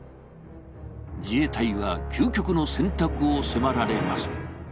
自衛隊は究極の選択を迫られます。